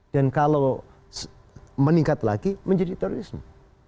dan kalau meningkat lagi menjadi terorisme